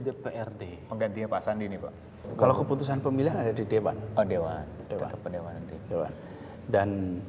dprd penggantinya pak sandi kalau keputusan pemilihan ada di dewan dewan dewan dewan dan